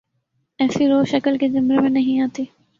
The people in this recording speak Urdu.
ایسی روش عقل کے زمرے میں نہیںآتی۔